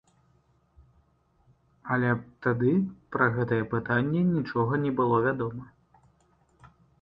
Але тады пра гэтае пытанне нічога не было вядома.